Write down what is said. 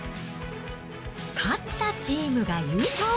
勝ったチームが優勝。